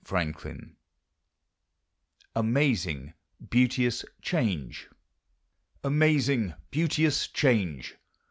AMAZING, BEAUTEOUS CHANGE! Amazing, beauteous change!